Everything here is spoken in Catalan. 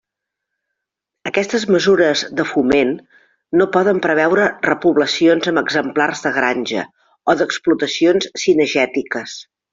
Aquestes mesures de foment no poden preveure repoblacions amb exemplars de granja o d'explotacions cinegètiques.